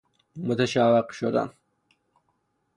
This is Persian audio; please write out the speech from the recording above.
متشوق شدن